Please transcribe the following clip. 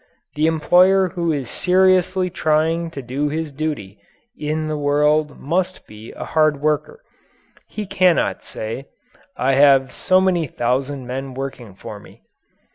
The employer who is seriously trying to do his duty in the world must be a hard worker. He cannot say, "I have so many thousand men working for me."